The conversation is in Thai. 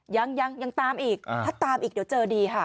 ยังยังตามอีกถ้าตามอีกเดี๋ยวเจอดีค่ะ